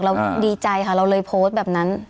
เรารู้ดีใจเราเลยโพสต์แบบนั้น